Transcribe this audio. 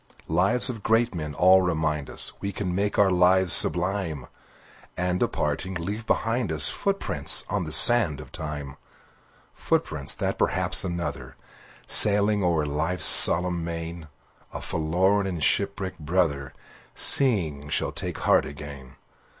Lives of great men all remind us We can make our lives sublime, And departing, leave behind us Footprints on the sands of time; Footprints, that perhaps another, Sailing o'er life's solemn main, A forlorn and shipwrecked brother, Seeing, shall take heart again.